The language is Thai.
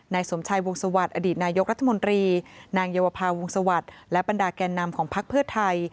นายสวมชัยวงศวรรษอดีตนายกรัฐมนตรีนางเยาวภาวงศวรรษและปัญดาแก่นำของภักดิ์เพื่อไทย